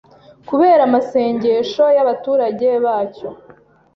kubera amasengesho y'abaturage bacyo.